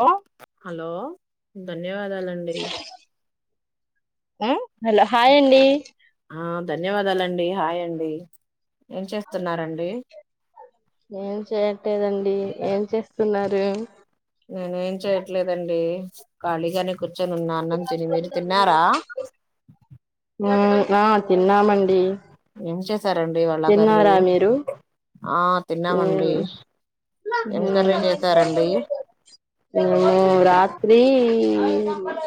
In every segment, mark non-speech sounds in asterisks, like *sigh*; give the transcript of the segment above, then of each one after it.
Hello hello ద ధన్యవాదాలండి మ్మ్ హలో హాయ్ అండి డి హాయ్ండి ఏం చేస్తున్నారండి ఏం చెయట్లేదండి ఏం చేస్తున్నారు నేనేం చెయట్లేదండి ఖాళీగానే కూర్చు చను ఉన్నా అన్నం తిని మీరు తిన్నారా ఆ తిన్నామండి ఏం చేసారండి ఇవాళ కర్రీ తిన్నారా మీరు ఆ హ తిన్నామండి ఏం హ కర్రీ చేసారండి హ రాత్రి హ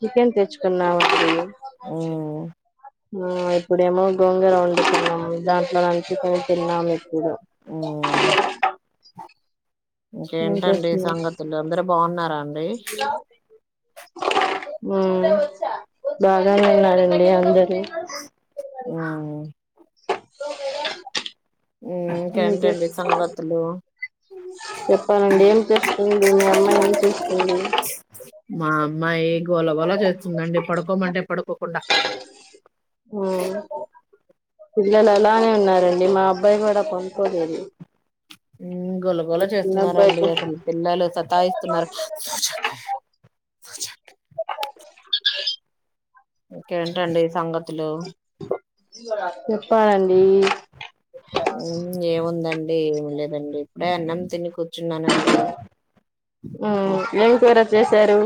చికెన్ తెచ్చుకున్నా అడు ఓ ఆ ఇప్పుడేమో గోంగూర వండుతన్నాము దాంట్లో నుంచి కూడా తిన్నాము ఇద ఉమ్ ఇంకేంటండి చేస్తున్నారు సంగతులు అందరు బాగున్నారా అండి హ భగనివునరాండి అందరు ఆ హ ఇంకేంటండి సంగతులు చేప్పలండి ఏం చేస్తుంది నీ అమ్మాయి ఏం చేస్తుంది మా అమ్మాయి ఏ గోళ బాల చేస్తుందండి పడుకోమంటే పడుకోకుండా ఉమ్ పిల్లలు అలానే ఉన్నారండి మా అబ్బాయి కూడా పంకోలేదు గొల గొల చేస్తున్నారండి అబ్బాయికి అసలు పిల్లలు సతాయిస్తున్నారు స చెక్ కేంటండి సంగతులు చెప్పనండి ఏముందండి ఏమి లేదండి అప్పుడే అన్నం తిని కూర్చున్నానండి ఉమ్ ఏం కూర చేశారు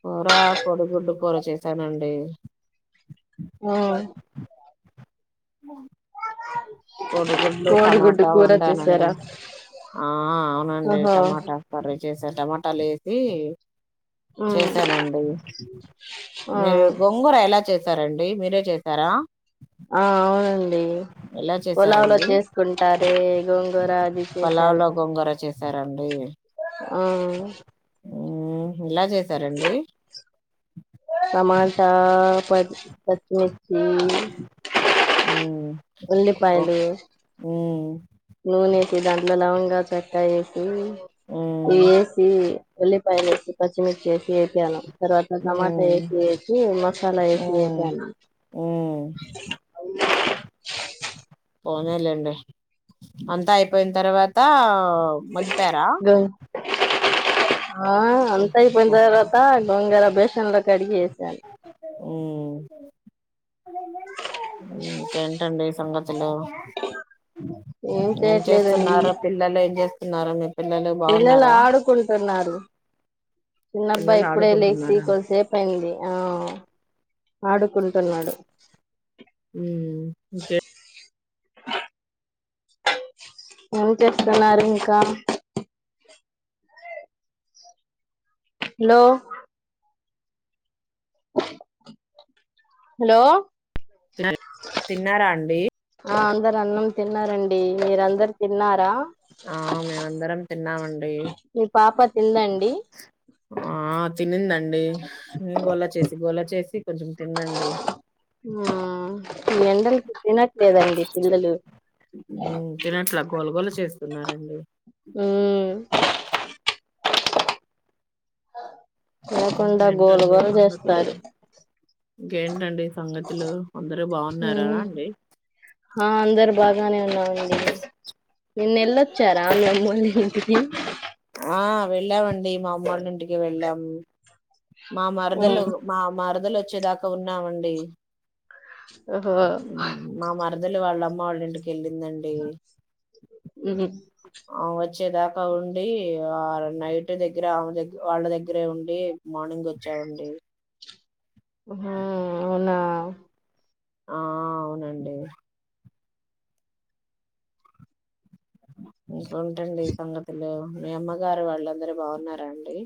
కూరా కొడ గుడ్డు కూర చేశానండి ఓ మ్మ్ అ కొడుగుళ్ళలు టమాటా వండాలండి చేసారా ఆ అవునండి ఓహో టమాటా కర్రీ చేసారు టమాటాలు వేసి ఉమ్ చేశానండి ఆ మీరు గొంగూర ఎలా చేస చస్తారండి మీరే చేసారా ఆ అవును ది ఎలా పొలావ లో చేసారండి చేసుకుంటార గోంగూర అది చేసాను సరండి మ్మ్ మ్మ్ ఇలా చే స్తారంండి టమాటా పచ్ పచ్చిమిర్చి ఓ ఉల్లిపాయలు ఉమ్ నూన వేసి దాంట్లో లవంగా చెక్కాయి సి ఉమ్ ఏసి ఉల్లిపాయ వేసి పచ్చిమిర్చి వేసి వేపాలం తర్వాత టమాటా ఉమ్ వేసి వేసి మసాలా వేసి ఉమ్ వేప్యాను ఉమ్ పోనీలేండి అంతా అయిపోయిన తర్వాత మదిపారా గ ఆ అంతా యైపోయిన తరువాత గోంగూర బేషన్ లోకి కడిగి వేసాలి మ్మ్ ఇంకేంటండి సంగతి అలు ఏం చేస్తున్నారు పిల్లలు ఏం చేస్తు తిన్నారా మీరు పిల్లలు ఆడుకుంటన్నారు చిన్నబ్బాయి పిల్లలు ఇప్పుడే లేచి ఆడుకుంటున్నారా కొదిసేపు అయింది ఆ ఆడుకుంటున్నాడు ఉమ్ ఇంకే ఏం చేస్తున్నారు ఇంకా హలో హలో తిన్నారా అండి ఆ అందరు అన్నం తిన్నారండి మీరు అందరు తిన్నారా ఆ మేమందరం తిన్నావడి మీ పాప తిందండి ఆ తినింది అండి డి గోలా చేసి గోలా చేసి కొంచెం తిందండి ఆ ఎండల్ కి తిన లేదండి పిల్లలు ఉమ్, తినట్లా గోలగోల చేస్తున్నారండి ఉమ్ ఆ ఇంకేంటండి సంగతులు ఇంకేంటండి సంగతులు అందరు బాగున్నారా ఉమ్ అండి ఆ అందరు బాగానే ఉన్నారు నిన్నెళ్లొచ్చారా మీ అమ్మోళింటికి ఆ వెళ్ళామండి మా అమ్మాలుంటికి వెళ్ళాము మా మరదలు ఉమ్ మా మరద వాళ్ళు వచ్చేదాకా ఉన్నామండి హో మరదలి వాళ్ళమ్మ వాళ్ళ ఇంటికిెళ్ళిందండి ఉమ్ వచ్చేదాకా ఉండి ఆ నైట్ దగ్గర ఆమె దగగ వాళ్ళ దగ్గరే ఉండి మార్నింగ్ వచ్చా ఉండి ఉంహూ అవునా ఆ అవునండి ఇంకేటండి ఈ సంగతిలో మీ అమ్మగారు వాళ్ళందరుూ బాగున్నారా అండి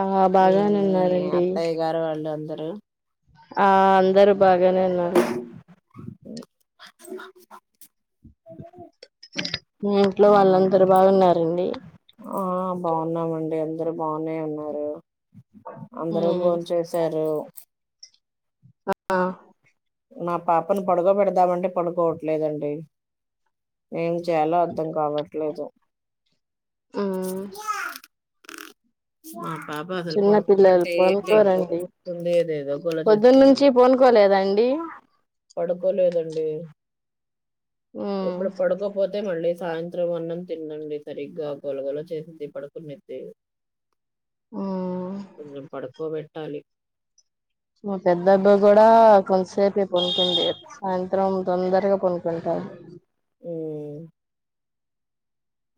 ఆ బాగానే మీ ఉన్నారండి అత్తయ గారు వాళ్ళు అంత సర ఆ అందరూ బాగానే ఉన్నారు అ ఇంట్లో వాళ్ళందరు బాగున్నారండి ఆ బాగున్నామండి అందరు బాగునే ఉన్నారు అందరు ఉమ్ బోన్ చేసారు *inaudible* ఆ నా పాపను పడుకో పెెడదామండి పడుకోవట్లేదండి ఏం చేయాలో అర్థం కావట్లేదు *inaudible* *inaudible* ఉమ్ పాప అసలు చిన్న పిల్లలు పడకోమంటే ఏంటేంటో పనుకోరండి చేస్తుంది ఏదేదో గోల పొద్దున్న చేస్తుంది నుంచి పోనుకోలేదండి పడుకోలేదండి ఉమ్ ఇప్పుడు పడుకోపోతే మళ్ళీ సాయంత్రం అన్నం తిినండి సరిగ్గా గొలగొల చేసింది పడుకున్నది ఉమ్ కొంచెం పడుకో తాలి మా పెద్ద అబ్బయి కూడా కొంతసేపు పడుకుంది సాయంత్రం తొందరగా పనుకుంటాారు అ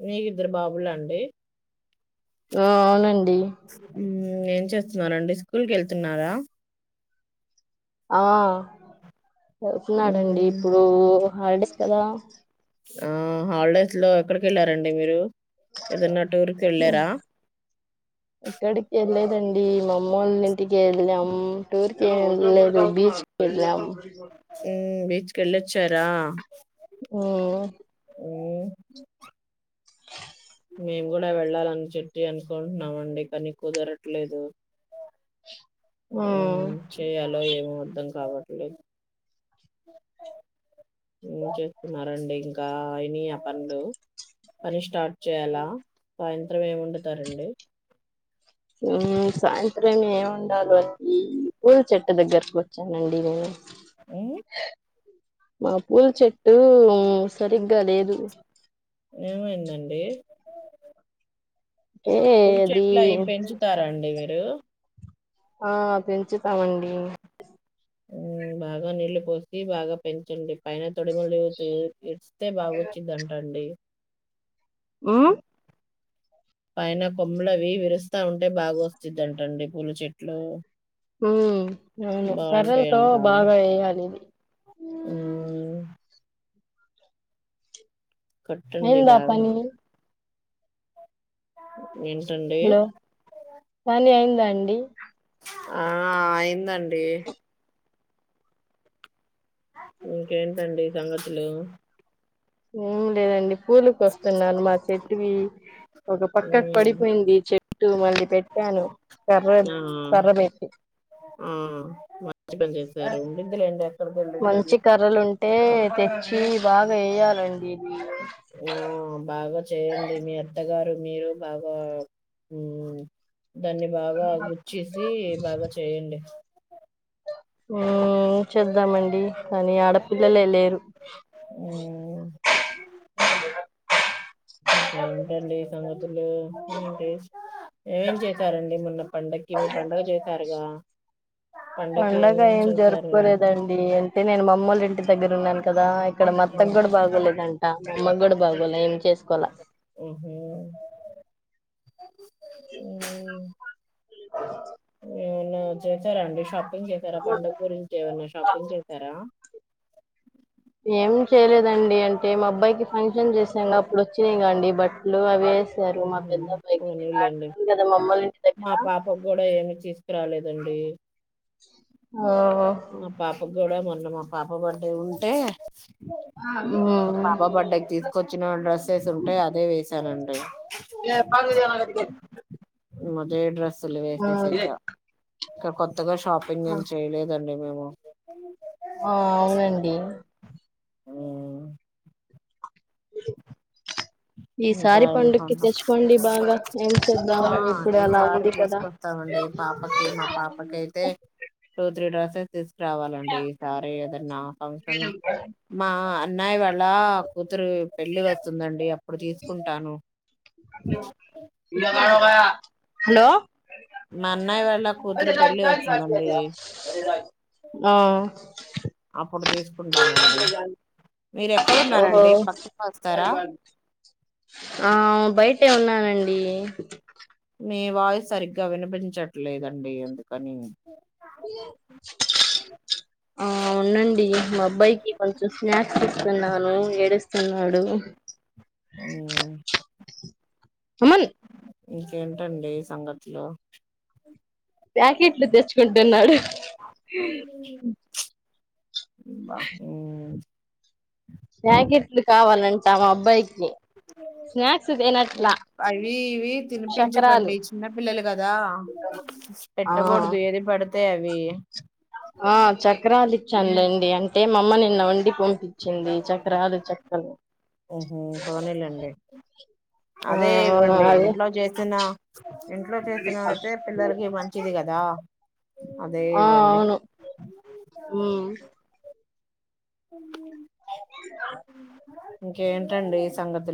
మీీకిద్దరు బాబుల అండి ఆ అవునండి *unintelligible* ఏం చేస్తున్నరండి స్కూల్ కి వెళ్తున్నారా ఆ చదువుతున్నాడండి హ్మ్. ఇప్పుడు హాలిడేస్ కదా ఆ హాలిడేస్ లో ఎక్కడికి వెళ్ళారండి మీరు ఏదన్నా టూరుకి వెళ్ళరా దండి మా అమ్మళ్ళ ఇంటికి వెళ్ళాం టూర్ కి వెళ్ళలేదు బీచ్కిి వెళ్ళాం ఊ కెళ్ళచ్చారా ఆ అ *inaudible* మేము కూడా వెళ్ళాలని చెట్ి అనుకుంటున్నామ అండి కానీ కుదరట్లేదు ఉమ్ చేయాలో ఏమో అర్థం కావట్లేదు ఏం చేస్తున్నారండి ఇంకా అయిని ఆ పనులు పని స్టార్ట్ చేయాలా సాయంత్రం ఏమి వండుతారండి ఉమ్ సాయంత్రం ఏం వండాలో అది ఊరు చెట్టు దగ్గరకు వచ్చానండి నేను *inaudible* ఉ మా పూల చెట్టు సరిగ్గా లేదు ఏమైందడి అంటే అది పుల్చెట్లు అయి పెంచుతారండి మీరు రు ఆ పెంచుతామండి బాగా నీళ్ళు పోసి బాగా పెంచండి పైన తొడిమలు లేచి *inaudible* తే బాగొచ్చిందంటండి ఉమ్ పైన కొమ్ములవి విరుస్ వస్తా ఉంటే బాగా వస్చిదంటన్దండి *inaudible* పూల చెట్లు హుమ్ అవును కర్రలతో బావుంటాయంట. బాగా వేయాలిది ఉమ్ హ్మ్. కట్టండి అయిందా బాగా. పని ఏంటండి హలో పని అయిందా అండి ఆ అయిందండి ఇంకేంటండి సంగతులు ఏం లేదండి స్కూల్కి వస్తున్నాను మా చెట్వి ఒక పక్కకు హ్మ్. పడిపోయింది చె టూ మంది పెట్టాను కర్ర ఆ! కర్రబేచి ఆ మంచి పని చేశారు ఉండిద్దిలెండి ఎక్కడికి వెళ్ళిద్ది మంచి అది కర్రలుంటే తెచ్చి బాగా వేయాలండి ఇది ఆ బాగా చేయండి మీ అత్తగారు మీరు బాగా ఉమ్ దాన్ని బాగా గుచ్చేసి బాగా చేయండి ఆ చేద్దామండి కానీ ఆడపిల్లలే లేరు హ్మ్. సంగ లు ఏమేం చేశారండి మొన్న పండకి పండుగ చేశారుగా పండక్కి పండగ ఏమేం చేశారు అమ్మోల్ల ఇంటి దగ్గర ఉన్నాను కాద దా ఇక్కడ మా అత్త కూడా బాగోలేదండి మా అమ్మ గుడా బాగొలేం ఓహో హుమ్ హుమ్ చేసారా అండి షాపింగ్ చేశారా పండుగ గురించి ఏవైనా షాపింగ్ చేశారా ఏం చేయలేదు దండి అంటే మా అబ్బాయికి ఫంక్షన్ చేసునప్పుడు వచ్చినాయిగాండి బట్టలు అవి వేసారు మా హుహు. పెద్ద అబ్బాయికి పోనీలెండి. కదా మాఅమ్మోల ఇంటి దగ్గర రాలేదండి ఆహా పాపకు కూడా మొన్న మా పాప బర్త్డే ఉంటే ఉమ్ పాప బర్డేకి తీసుకొచ్చిన డ్రెస్సెస్ ఉంటే అదే వేస్ తరండి ఉమ్ అదే డ్ర స్సులు వేసేసేక ఆ క కొ త్తగా షాపింగ్ నేను చేయలేదండి ఏమో ఆ అవునండి ఊ ఇంకా ఈసారి *inaudible* పండుగకి తెచ్చుకోండి బాగా ఏం ఆ చేద్దాం ఇప్పుడు అలా ఈసారి ఉంది కదా తీసుకొస్తామండి పాపకి మా పాపకి అయితే టూ త్రీ డ్ర టే తెస్ రావాలండి ఈసారి ఏదన్నా ఫంక్షను న్నాయ్ వళ్ళ కు తురు పెళ్లి వస్తుందండి అ ప్పుడు తీసుకుంటాను నో హలో మా అన్నయ్ వాళ్ళ కూతురు పెళ్లి వస్తుందండి ఆ అప్పుడు తీసుకుంటానండి మీరు ఓహో ఎక్కడున్నారండి పక్కకు వస్తారా. ఆ బయటే ఉన్నానండి మీ వాయిస్ సరిగ్గా వినిపించట్లేదండి అందుకని ఆ ఉనండి మా అబ్బాయికి కొంచెం స్నాక్స్ ఇస్తున్నాను ఏడుస్తున్నాడు మ్మ్ అమన్ ఇంకేంటండి సంగతులు ప్యాకిట్లు తెచ్చుకుంటున్నాడు అబ్బా మ్ జాకిట్లు కావాలన్ తినట్లా అవి ఇవి చక్రాలు తినిపించకండి చిన్న పిల్లలు కదా ఆ పెట్టకూడదు ఏది పడ తేఅవి ఆ చక్రాలు ఇచ్చాన్లెండి అంటే మా అమ్మ నిన్న వండి పంపి హుమ్ పోనీలేండి ఆ అదే అవును ఇవ్వండి అదే ఇంట్లో చేసిన ఇంట్లో చేసినా అయితే పిల్లలకి మంచిది కదా దా అదే ఇవ్వండి మ్ ఇంకేంటండి సంగతి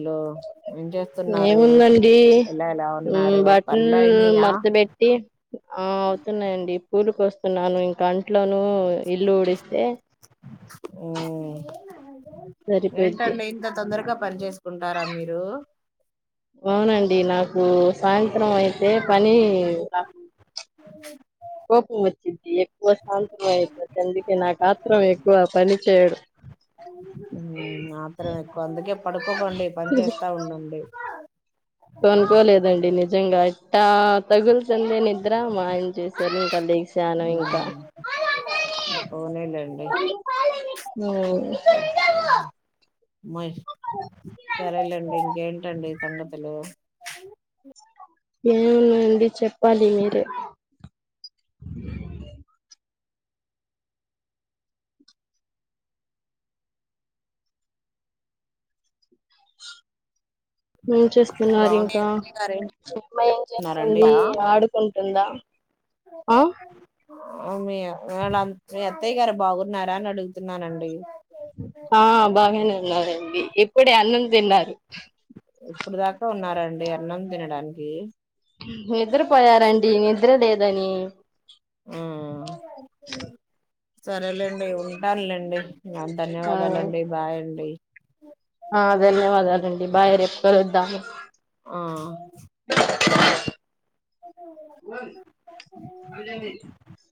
ఏముందండి ఎలా ఎలా ఉన్నారు బట్టలు పనులు అయినయా మడతపెట్టి ఆ అవుతున్నాయండి స్కూల్కు వస్తున్నాను ఇంకా అంట్లోనూ ఇల్లు ఊడిస్తే మ్ సరిపోయిద్ది ఏంటండి ఇంత తొందరగా పని చేసుకుంటారా మీరు అవునండి నాకు సాయంత్రం అయితే పని కోపం వచిద్దీ ఎక్కువ అంతమ అయిపోంది అందుకే నాకు ఆత్రం ఎక్కువ పని చేయడం మ్ ఆత్రం ఎక్కువ అందుకే పడుకోకండి పని చేస్తా ఉండండి పనుకోలేదండి నిజంగా అ తా తగుల్సిందే నిద్ర మాఆయన చేశారు ఇంకా లెగిసాను ఇంకా మ్మ్ పోనీలేండి మాయ్ సరేలేండి ఇంకేంటండి సంగతులు ఏముందండి చెప్పాలి మీరే ఏం చేస్తున్నారు బాగున్నా ఇంకా అత్తయ్య గారు ఏం అమ్మాయి ఏం చేస్తున్నారండి చేస్తుంది ఆ, ఆడుకుంటుందా ఆ ఆ మీ వాళ్ల మీ అత్తయ్య గారు బాగున్నారా అని అడుగుతున్నానండి ఆ బాగానే ఉన్నారండి ఇప్పుడే అన్నం తిన్నారు ఇప్పుడు దాకా ఉన్నారండి అన్నం తినడానికి నిద్రపోయారండి నిద్ర లేదని మ్ సరేలేండి ఉంటాను లేండి ఆ ధన్యవాదాలండి బాయ్ అండి ఆ ధన్యవాదాలు అండి బాయ్ రేపు కలుద్దాము ఆ వన్ అదేంది